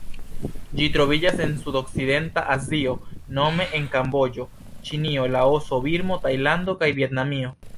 Ĝi troviĝas en Sudorienta Azio nome en Kamboĝo, Ĉinio, Laoso, Birmo, Tajlando kaj Vjetnamio.